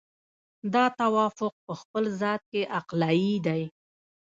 دا توافق په خپل ذات کې عقلایي دی.